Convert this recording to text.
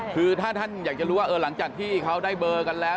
คือถ้าท่านอยากจะรู้ว่าหลังจากที่เขาได้เบอร์กันแล้ว